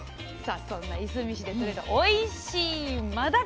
そんないすみ市でとれたおいしいマダコ。